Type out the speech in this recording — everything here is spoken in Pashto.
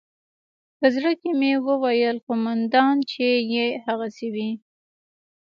په زړه کښې مې وويل قومندان چې يې هغسې وي.